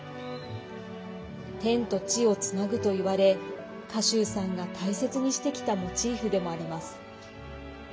天と地をつなぐといわれ賀集さんが大切にしてきたモチーフでもあります。